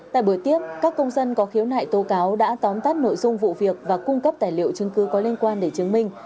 tại buổi tiếp các công dân có khiếu nại tố cáo đã tóm tắt nội dung vụ việc và cung cấp tài liệu chứng cứ có liên quan để chứng minh